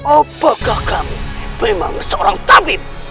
apakah kami memang seorang tabib